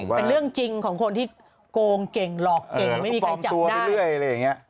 เป็นเรื่องจริงของคนที่โกงเก่งหลอกเก่งไม่มีใครจับได้